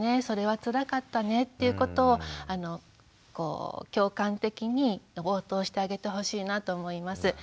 それはつらかったねっていうことを共感的に応答してあげてほしいなと思います。